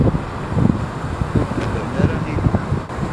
Ur d-beddren ara Illu.